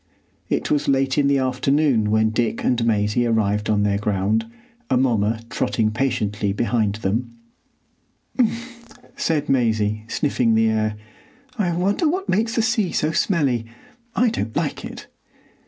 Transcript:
It was late in the afternoon when Dick and Maisie arrived on their ground, Amomma trotting patiently behind them. "Mf!" said Maisie, sniffing the air. "I wonder what makes the sea so smelly? I don't like it!"